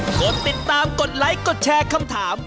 กดติดตามกดไลค์กดแชร์คำถาม